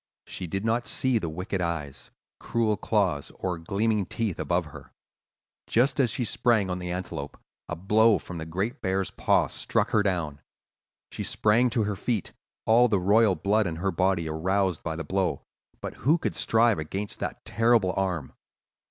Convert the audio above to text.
She did not see the wicked eyes, cruel claws, or gleaming teeth above her. Just as she sprang on the antelope, a blow from the great bear's paw struck her down. She sprang to her feet, all the royal blood in her body aroused by the blow; but who could strive against that terrible arm?